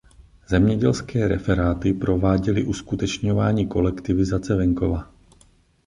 Zemědělské referáty prováděly uskutečňování kolektivizace venkova.